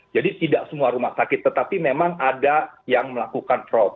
jadi tidak semua rumah sakit tetapi memang ada yang melakukan